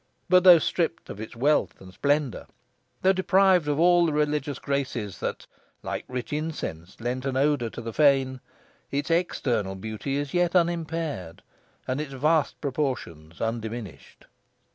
But, though stripped of its wealth and splendour; though deprived of all the religious graces that, like rich incense, lent an odour to the fane, its external beauty is yet unimpaired, and its vast proportions undiminished.